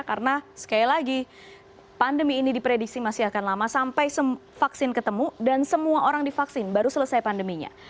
karena sekali lagi pandemi ini diprediksi masih akan lama sampai vaksin ketemu dan semua orang divaksin baru selesai pandeminya